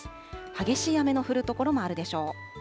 激しい雨の降る所もあるでしょう。